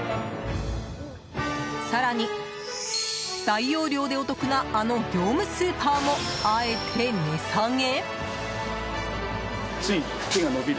更に、大容量でお得なあの業務スーパーもあえて値下げ。